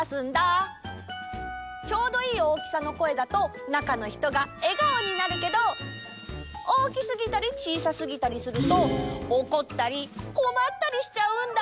ちょうどいい大きさの声だとなかのひとがえがおになるけど大きすぎたりちいさすぎたりするとおこったりこまったりしちゃうんだ。